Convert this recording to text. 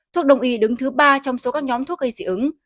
thuốc đồng ý đứng thứ ba trong số các nhóm thuốc gây dị ứng